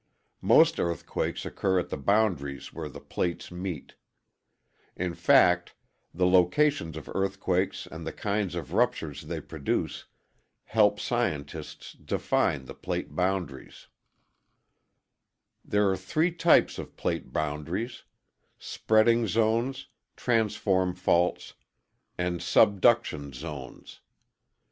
Most earthquakes occur at the boundaries where the plates meet. In fact, the locations of earthquakes and the kinds of ruptures they produce help scientists define the plate boundaries. [Illustration: Diagram of plate boundaries and earthquake locations.] There are three types of plate boundaries: spreading zones, transform faults, and subduction zones.